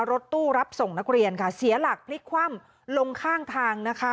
รถตู้รับส่งนักเรียนค่ะเสียหลักพลิกคว่ำลงข้างทางนะคะ